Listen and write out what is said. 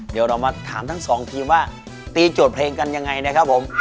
เดี๋ยวเรามาถามทั้งสองทีมว่าตีโจทย์เพลงกันยังไงนะครับผม